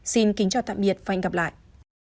xin kính chào tạm biệt và hẹn gặp lại